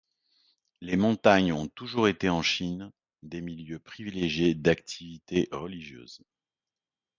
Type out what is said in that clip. Les montagnes ont toujours été en Chine des lieux privilégiés d'activité religieuse.